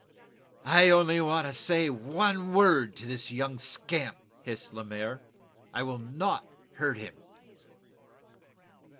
"I only want to say one word to this young scamp!" hissed Lemaire. "I will not hurt him."